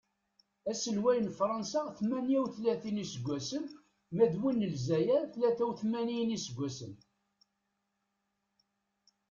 Aselway n Fransa tmanya utlatin iseggasen ma d win n lezzayer tlata utmanyin iseggasen.